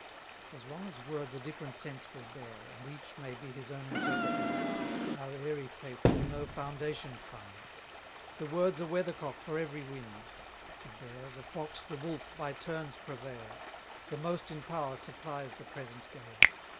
As long as words a different sense will bear, And each may be his own interpreter, Our airy faith will no foundation find: The word's a weathercock for every wind: The Bear, the Fox, the Wolf, by turns prevail; The most in power supplies the present gale.